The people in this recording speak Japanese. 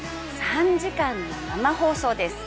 ３時間の生放送です。